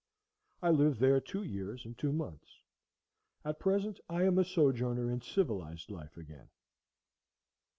I lived there two years and two months. At present I am a sojourner in civilized life again.